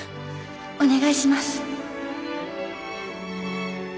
お願いします。